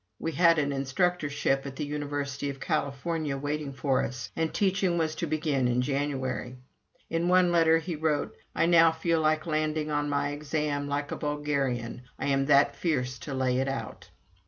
We had an instructorship at the University of California waiting for us, and teaching was to begin in January. In one letter he wrote: "I now feel like landing on my exam, like a Bulgarian; I am that fierce to lay it out."